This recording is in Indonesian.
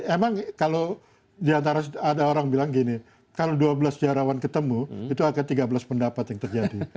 emang kalau diantara ada orang bilang gini kalau dua belas jarawan ketemu itu akan tiga belas pendapat yang terjadi